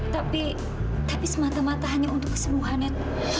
tapi tapi semata mata hanya untuk kesembuhannya pa